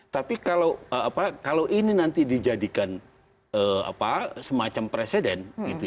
tapi kalau ini nanti dijadikan semacam presiden